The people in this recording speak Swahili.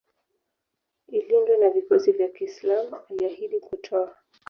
ilindwe na vikosi vya kiislam Aliahidi kutoa